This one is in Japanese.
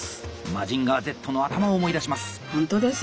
「マジンガーＺ」の頭を思い出します。